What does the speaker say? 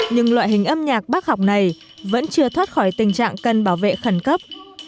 nhưng loại hình âm nhạc bác học này vẫn chưa thoát khỏi tình trạng cần bảo vệ khẩn cấp